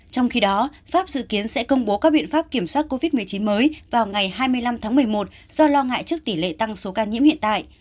trong khi đó pháp dự kiến sẽ công bố các biện pháp kiểm soát covid một mươi chín mới vào ngày hai mươi năm tháng một mươi một do lo ngại trước tỷ lệ tăng số ca nhiễm hiện tại